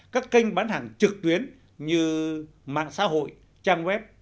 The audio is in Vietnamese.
các kênh bán hàng trực tuyến như mạng xã hội trang web